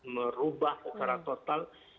merubah secara total